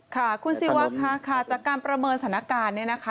ค่ะคุณศิวะค่ะจากการประเมินสถานการณ์เนี่ยนะคะ